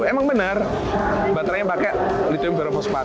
emang benar baterainya pakai lithium ferro phosphate